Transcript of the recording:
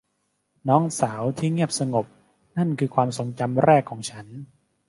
น้องสาวที่เงียบสงบนั่นคือความทรงจำครั้งแรกของฉัน